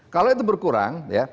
kalau itu berkurang ya